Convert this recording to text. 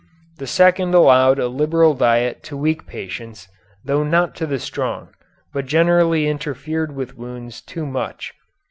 The second allowed a liberal diet to weak patients, though not to the strong, but generally interfered with wounds too much.